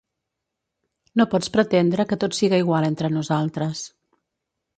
No pots pretendre que tot siga igual entre nosaltres.